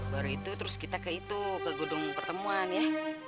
baru itu terus kita ke itu ke gedung pertemuan ya